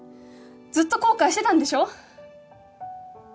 ずっと後悔してたんでしょ？